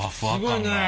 すごいね！